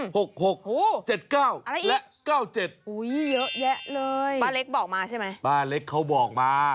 เยอะแยะเลยป้าเล็กบอกมาใช่ไหมป้าเล็กเขาบอกมา